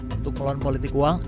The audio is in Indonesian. untuk melawan politik uang